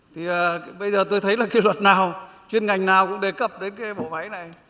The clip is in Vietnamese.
thì bây giờ tôi thấy là cái luật nào chuyên ngành nào cũng đề cập đến cái bộ máy này